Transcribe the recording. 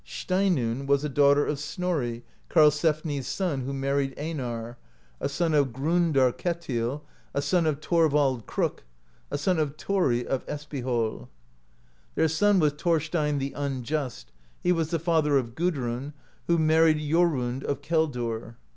Steinunn was a daughter of Snorri, Karlsefni's son, who married Einar, a son of 62 HISTORY Of THE FLATBY BOOK Grundar Ketil, a son of Thorvald CrcK>k, a son of Thori of E&pihoL Their son was Thorstein the Unjust, he was the father of Gudrun, who married Jorund of Keldur.